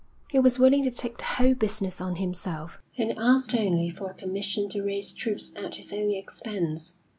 He was willing to take the whole business on himself, and asked only for a commission to raise troops at his own expense.